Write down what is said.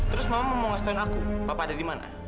terus mama mau ngasih tahuin aku bapak ada di mana